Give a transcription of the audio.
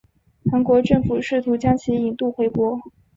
韩国政府试图将其引渡回国。